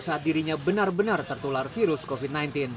saat dirinya benar benar tertular virus covid sembilan belas